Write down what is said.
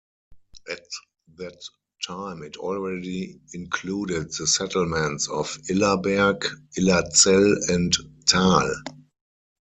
At that time it already included the settlements of Illerberg, Illerzell and Thal.